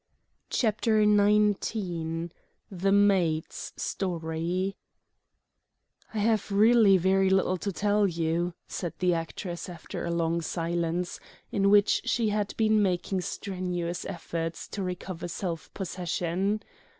CHAPTER XIX THE MAID'S STORY "I have really very little to tell you," said the actress after a long silence, in which she had been making strenuous efforts to recover self possession.